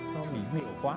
nó bị mịu quá